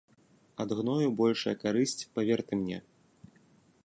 Ад гною большая карысць, павер ты мне.